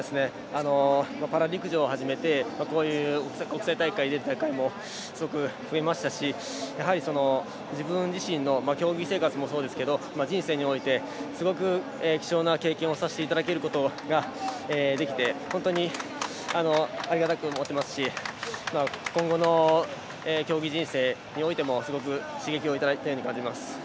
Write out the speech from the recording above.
パラ陸上を始めてこういう国際大会に出る機会も増えましたしやはり、自分自身の競技生活もそうですが人生においてすごく貴重な経験をさせていただくことができて本当にありがたく思ってますし今後の競技人生においてもすごく刺激をいただいたように感じます。